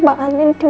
datang ke vilaku